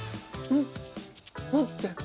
うん。